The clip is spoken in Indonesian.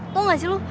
tau gak sih lu